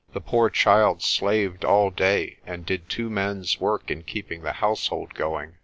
The poor child slaved all day and did two men's work in keeping the house hold going.